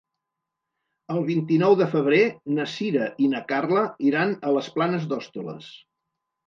El vint-i-nou de febrer na Sira i na Carla iran a les Planes d'Hostoles.